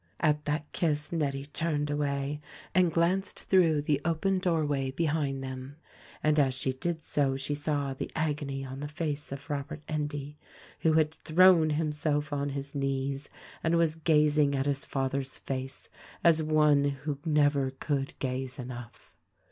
At that kiss Nettie turned away and glanced through the open doorway behind them, and as she did so she saw the agony on the face of Robert Endy, who had thrown himself on his knees and was gazing at his father's face as one who never could gaze enough.